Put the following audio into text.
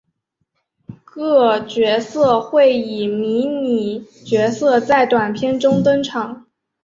各角色会以迷你角色在短篇中登场。